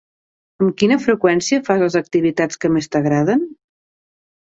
Amb quina freqüència fas les activitats que més t'agraden?